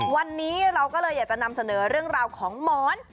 วันนี้เราก็เลยอยากจะนำเสนอเรื่องราวของหมอน